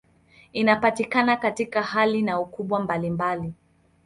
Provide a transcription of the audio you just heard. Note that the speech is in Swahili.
Inapatikana katika hali na ukubwa mbalimbali.